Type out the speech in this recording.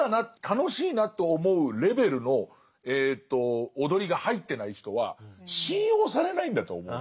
「楽しいな」と思うレベルの踊りが入ってない人は信用されないんだと思うんです。